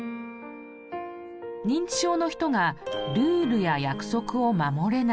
認知症の人がルールや約束を守れない。